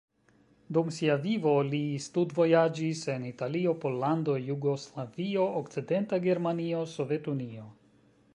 Dum sia vivo li studvojaĝis en Italio, Pollando, Jugoslavio, Okcidenta Germanio, Sovetunio.